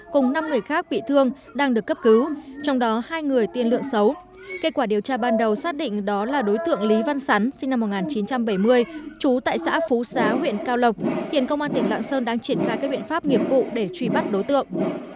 cùng năm người khác bị thương đang được cấp cứu trong đó hai người tiên lượng xấu kết quả điều tra ban đầu xác định đó là đối tượng lý văn sắn sinh năm một nghìn chín trăm bảy mươi chú tại xã phú xá huyện cao lộc hiện công an tỉnh lạng sơn đang triển khai các biện pháp nghiệp vụ để truy bắt đối tượng